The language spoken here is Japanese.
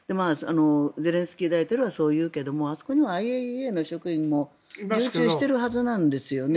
ゼレンスキー大統領はそう言うけどもあそこにはＩＡＥＡの職員もいるはずなんですよね。